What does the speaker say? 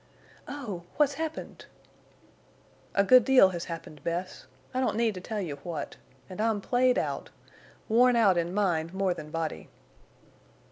"Oh! What's happened?" "A good deal has happened, Bess. I don't need to tell you what. And I'm played out. Worn out in mind more than body."